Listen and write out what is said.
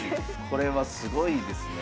これはすごいですね。